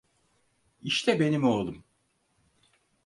İşte benim oğlum!